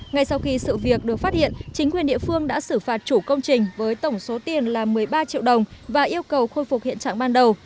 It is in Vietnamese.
ngay sau khi sự việc được phát hiện chính quyền địa phương đã xử phạt chủ công trình với tổng số tiền là một mươi ba triệu đồng và yêu cầu khôi phục hiện trạng ban đầu